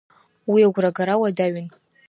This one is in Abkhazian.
Уи агәрагара уадаҩын.